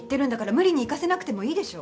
無理に行かせなくてもいいでしょ